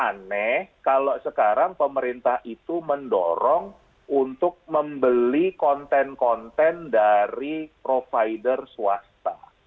jadi agak aneh kalau sekarang pemerintah itu mendorong untuk membeli konten konten dari provider swasta